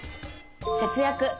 節約。